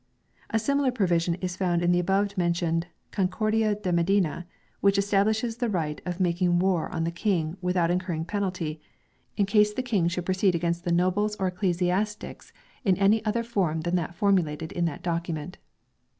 A similar provision is found in the above mentioned "Concordia de Medina," which establishes the right of making war on the King without incurring penalty, in case the King should proceed against nobles or SPANISH MEDIEVAL JURISPRUDENCE 241 ecclesiastics in any other form than that formulated in that document.